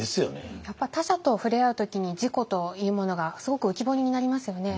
やっぱり他者と触れ合う時に自己というものがすごく浮き彫りになりますよね。